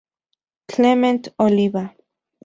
Clement, Olivia.